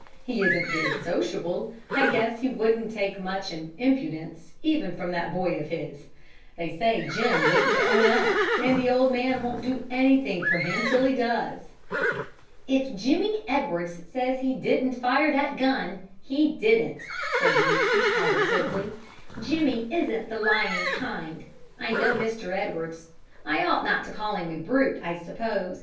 He isn't very sociable. I guess he wouldn't take much impudence, even from that boy of his. They say Jim wouldn't own up, and the old man won't do anything for him till he does." "If Jimmie Edwards says he didn't fire that gun, he didn't," said Nancy, positively. "Jimmie isn't the lying kind. I know Mr. Edwards. I ought not to call him a brute, I suppose.